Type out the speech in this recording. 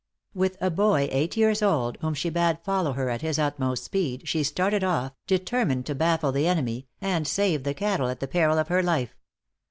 With a boy eight years old, whom she bade follow her at his utmost speed, she started off, determined to baffle the enemy, and save the cattle at the peril of her life.